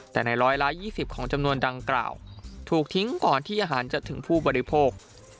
แต่ในร้อยละ๒๐ของจำนวนดังกล่าวถูกทิ้งก่อนที่อาหารจะถึงผู้บริโภค